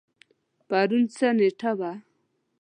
پرون څه نیټه وه؟